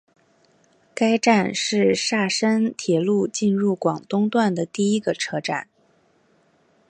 该站是厦深铁路进入广东段第一个车站。